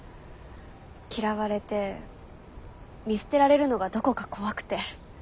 嫌われて見捨てられるのがどこか怖くて。